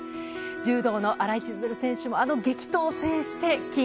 柔道の新井千鶴選手もあの激闘を制して金。